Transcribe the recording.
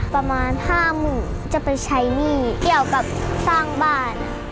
ประมาณห้าหมื่นจะไปใช้หนี้เกี่ยวกับสร้างบ้าน